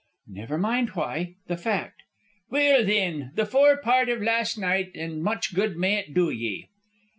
"Never mind why. The fact." "Well, thin, the fore part iv last night, an' much good may it do ye."